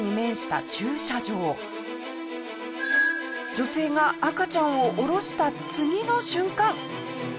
女性が赤ちゃんを降ろした次の瞬間。